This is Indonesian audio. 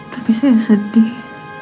tapi saya sedih